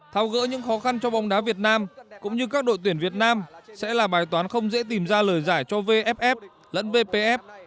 thao gỡ những khó khăn cho bóng đá việt nam cũng như các đội tuyển việt nam sẽ là bài toán không dễ tìm ra lời giải cho vff lẫn vpf